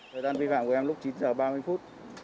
thời gian vi phạm của em lúc chín giờ ba mươi phút